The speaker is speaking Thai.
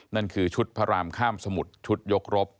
นั่นคือชุดพระรามข้ามสมุทรชุดยกรบ